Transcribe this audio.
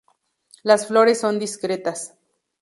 Las flores son discretas.